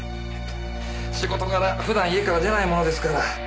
仕事柄普段家から出ないものですから。